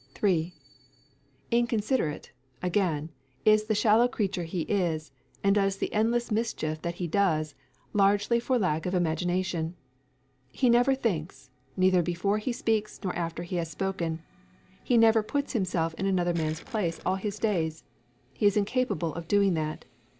3. Inconsiderate, again, is the shallow creature he is, and does the endless mischief that he does, largely for lack of imagination. He never thinks neither before he speaks nor after he has spoken. He never put himself in another man's place all his days. He is incapable of doing that.